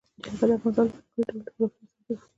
جلګه د افغانستان د ځانګړي ډول جغرافیه استازیتوب کوي.